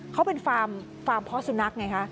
เขาเป็นฟาร์มฟาร์มพ่อสูนักไงคะ